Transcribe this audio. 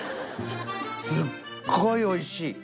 すっごいおいしい！